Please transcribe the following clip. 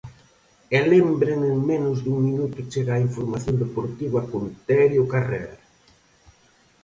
E lembren en menos dun minuto chega a información deportiva con Terio Carrera.